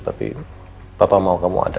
tapi papa mau kamu ada